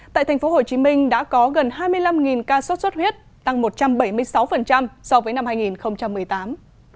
tại tp hcm đã có gần hai mươi năm ca sốt xuất huyết tăng một trăm bảy mươi sáu so với năm hai nghìn một mươi tám